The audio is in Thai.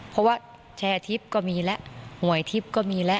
เพราะว่าแชร์ทิพย์ก็มีแล้วหวยทิพย์ก็มีแล้ว